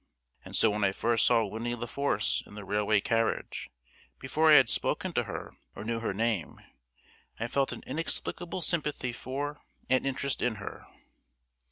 And so when I first saw Winnie La Force in the railway carriage, before I had spoken to her or knew her name, I felt an inexplicable sympathy for and interest in her.